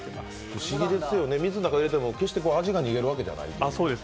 不思議ですよね水の中に入れても決して味が逃げるわけではないという。